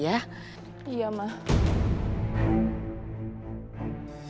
dan di balik lolos mereka